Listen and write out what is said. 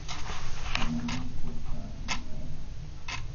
Kamenec pod Vtáčnikom